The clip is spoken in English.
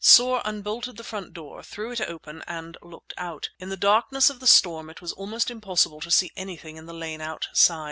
Soar unbolted the front door, threw it open, and looked out. In the darkness of the storm it was almost impossible to see anything in the lane outside.